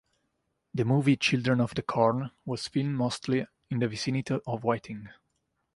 The movie "Children of the Corn" was filmed mostly in the vicinity of Whiting.